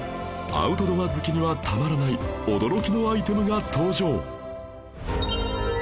アウトドア好きにはたまらない驚きのアイテムが登場